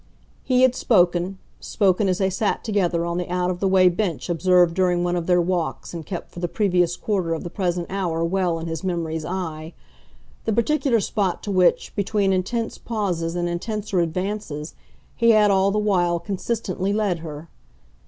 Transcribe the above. He had spoken spoken as they sat together on the out of the way bench observed during one of their walks and kept for the previous quarter of the present hour well in his memory's eye; the particular spot to which, between intense pauses and intenser advances, he had all the while consistently led her.